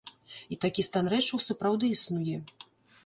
І такі стан рэчаў сапраўды існуе.